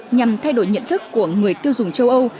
nhằm thay đổi nhận thức của người tiêu dùng châu âu